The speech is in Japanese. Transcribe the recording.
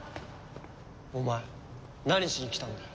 お前何しに来たんだよ。